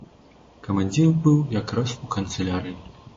Камандзір быў якраз у канцылярыі.